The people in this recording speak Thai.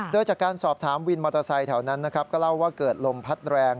โดยจากการสอบถามวินมอเตอร์ไซค์แถวนั้นนะครับก็เล่าว่าเกิดลมพัดแรง